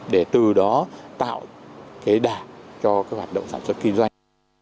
để từ đó tạo cái đảm cho các hoạt động sản xuất kinh doanh